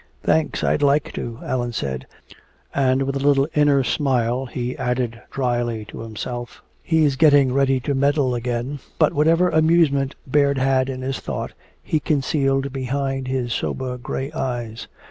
"Thanks, I'd like to," Allan said, and with a little inner smile he added dryly to himself, "He's getting ready to meddle again." But whatever amusement Baird had in this thought was concealed behind his sober gray eyes.